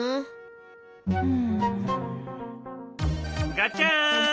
ガチャン！